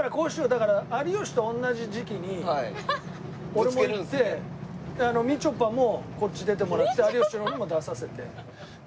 だから有吉と同じ時期に俺も行ってみちょぱもこっち出てもらって有吉の方にも出させて。